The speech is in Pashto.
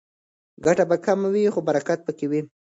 ګټه به کمه وي خو برکت به پکې وي.